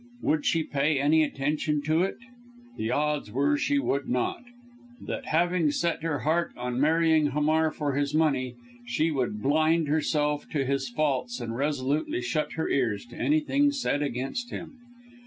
Would she pay any attention to it? The odds were she would not; that having set her heart on marrying Hamar for his money, she would blind herself to his faults and resolutely shut her ears to anything said against him.